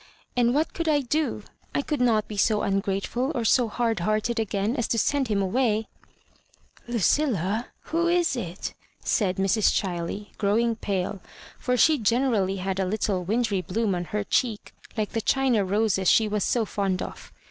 And what could I do? I could not be so ungrateful or so hard hearted again as to send him away ?" "LuciUa, who is it? " said Mrs. ChUey, grow ing pale, for she generally had a Uttle wintry bloom on her cheek Uke the China roses she was so fond of.